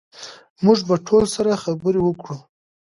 موږ به ټولو سره خبرې وکړو